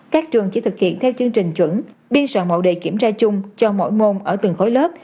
các trường chỉ thực hiện theo chương trình chuẩn biên soạn mẫu đề kiểm tra chung cho mỗi môn ở từng khối lớp